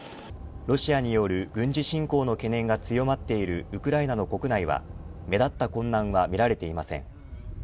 ロシアによる軍事侵攻の懸念が強まっているウクライナ国内は目立った混乱は見られていません。